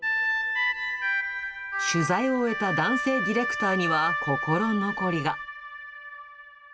取材を終えた男性ディレクターには心残りが。